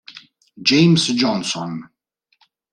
James Johnson